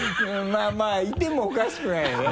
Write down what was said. まぁまぁいてもおかしくないよね。